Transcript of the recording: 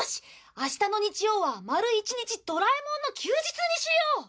明日の日曜は丸一日ドラえもんの休日にしよう！